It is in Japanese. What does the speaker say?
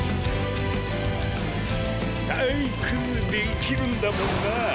滞空できるんだもんなぁ。